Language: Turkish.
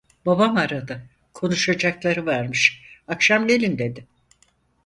Babam aradı, konuşacakları varmış, akşam gelin dedi.